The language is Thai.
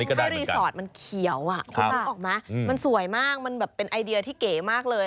อันนี้ก็ได้เหมือนกันคุณพูดออกมามันสวยมากมันเป็นไอเดียที่เก๋มากเลย